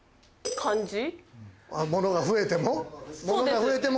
物が増えても？